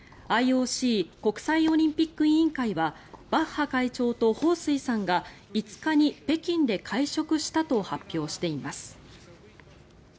ＩＯＣ・国際オリンピック委員会はバッハ会長とホウ・スイさんが５日に北京で会食したと発表しています。